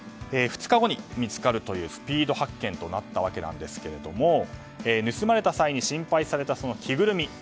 ２日後に見つかるというスピード発見となったわけなんですが盗まれた際に心配された着ぐるみ